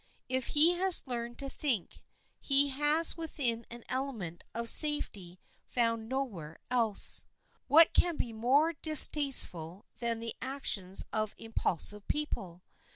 If he has learned to think, he has within an element of safety found nowhere else. What can be more distasteful than the actions of impulsive people?